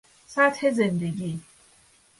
سطح زندگی